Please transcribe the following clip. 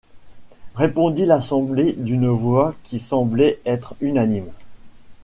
répondit l’assemblée d’une voix qui semblait être unanime.